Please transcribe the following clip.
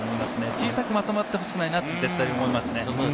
小さくまとまってほしくないなと思いますね。